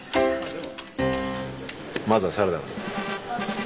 まずはサラダから。